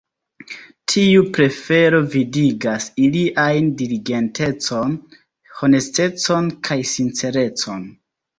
Tiu prefero vidigas iliajn diligentecon, honestecon kaj sincerecon.